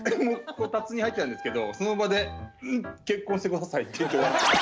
こたつに入ってたんですけどその場で「結婚してください」って。